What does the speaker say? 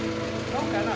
どうかな？